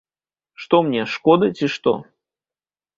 Што мне, шкода, ці што?